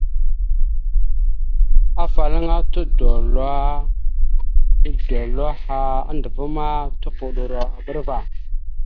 Afalaŋa todoláaha andəva ma, topoɗoro a bəra ava.